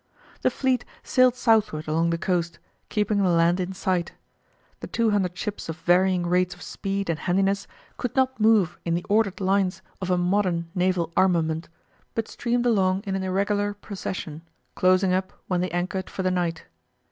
The fleet sailed southward along the coast, keeping the land in sight. The two hundred ships of varying rates of speed and handiness could not move in the ordered lines of a modern naval armament, but streamed along in an irregular procession, closing up when they anchored for the night.